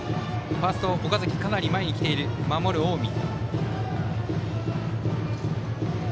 ファーストの岡崎はかなり前に来ている守る近江。